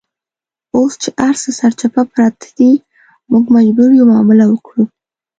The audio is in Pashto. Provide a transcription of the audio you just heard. اوس چې هرڅه سرچپه پراته دي، موږ مجبور یو معامله وکړو.